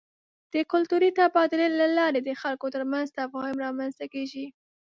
د کلتوري تبادلې له لارې د خلکو ترمنځ تفاهم رامنځته کېږي.